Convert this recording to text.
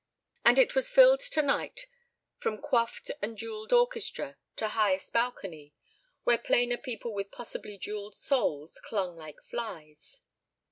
And it was filled tonight from coifed and jewelled orchestra to highest balcony, where plainer people with possibly jewelled souls clung like flies.